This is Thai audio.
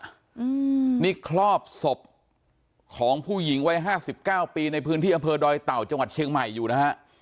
อืมนี่คลอบศพของผู้หญิงวัยห้าสิบเก้าปีในพื้นที่อำเภอดอยเต่าจังหวัดเชียงใหม่อยู่นะฮะ